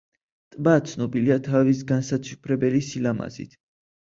ტბა ცნობილია თავის განსაცვიფრებელი სილამაზით.